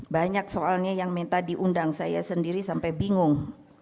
banyak soalnya yang minta diundang saya sendiri sampai bingung